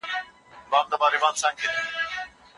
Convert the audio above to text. آیا آنلاین زده کړه ستا لپاره ګټوره ده؟